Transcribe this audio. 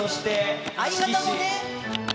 相方もね。